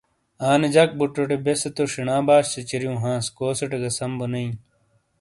آنے جک بوٹوٹے بیسے تو شینا باش سِیچاریوں ہانس کوسیٹے گہ سم بو نے اِیں ۔